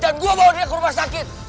dan gua bawa dia ke rumah sakit